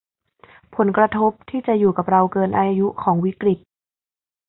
ผลกระทบที่จะอยู่กับเราเกินอายุของวิกฤต